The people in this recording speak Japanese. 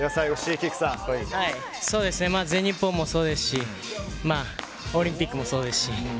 全日本もそうですしオリンピックもそうですし。